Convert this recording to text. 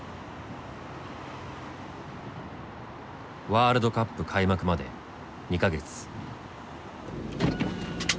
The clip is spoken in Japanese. ワールドカップ開幕まで２か月。